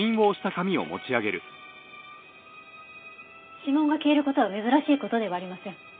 指紋が消える事は珍しい事ではありません。